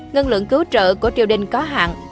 ngân lượng cứu trợ của triều đình có hạn